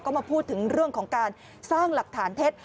ก็มาพูดถึงเรื่องของการสร้างหลักฐานเท็จ